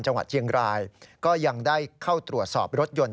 จังหวัดเชียงรายก็ยังได้เข้าตรวจสอบรถยนต์